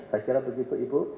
saya kira begitu ibu